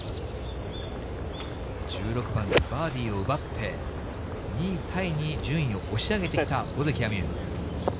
１６番のバーディーを奪って、２位タイに順位を押し上げてきた尾関彩美悠。